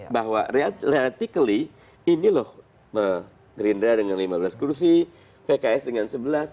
bahwa relatively ini loh green dry dengan lima belas kursi pks dengan sebelas